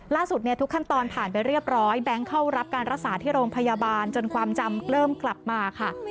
ทุกขั้นตอนผ่านไปเรียบร้อยแบงค์เข้ารับการรักษาที่โรงพยาบาลจนความจำเริ่มกลับมาค่ะ